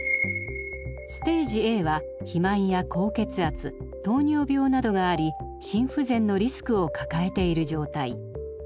ステージＡは肥満や高血圧糖尿病などがあり心不全のリスクを抱えている状態。